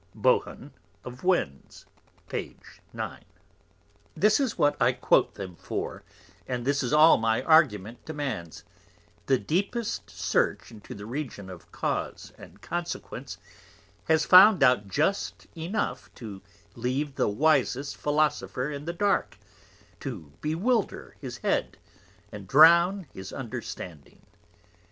Bohun of Winds, P. 9. This is what I quote them for, and this is all my Argument demands; the deepest Search into the Region of Cause and Consequence, has found out just enough to leave the wisest Philosopher in the dark, to bewilder his Head, and drown his Understanding.